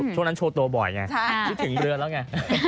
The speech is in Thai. ช่วงนั้นโชว์ตัวบ่อยไงคิดถึงเรือแล้วไง